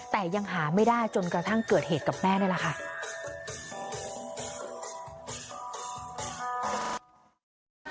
แต่ยังหาไม่ได้จนกระทั่งเกิดเหตุกับแม่นี่แหละค่ะ